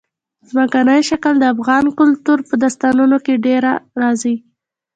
ځمکنی شکل د افغان کلتور په داستانونو کې ډېره راځي.